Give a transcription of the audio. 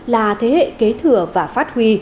là thế hệ kế thừa và phát huy